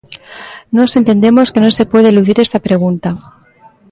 Nós entendemos que non se pode eludir esta pregunta.